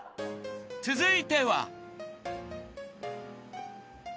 ［続いては］